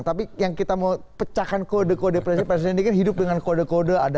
tapi yang kita mau pecahkan kode kode presiden ini kan hidup dengan kode kode